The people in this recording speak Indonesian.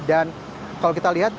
dan kalau kita lihat